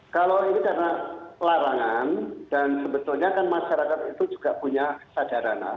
kalau ini karena larangan dan sebetulnya kan masyarakat itu juga punya sadaran